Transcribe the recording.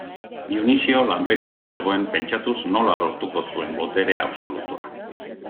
Dionisio lanpetuta zegoen pentsatuz nola lortuko zuen boterea absolutua.